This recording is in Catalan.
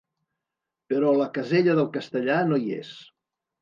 Però la casella del castellà no hi és.